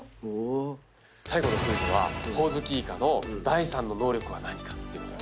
最後のクイズはホウズキイカの第３の能力は何か。